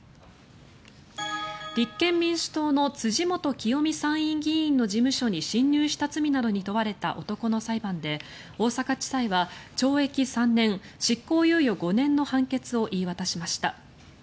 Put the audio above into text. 立憲民主党の辻元清美参議院議員の事務所に侵入した罪などに問われた男の裁判で大阪地裁は懲役３年、執行猶予５年の判決を言い渡しました。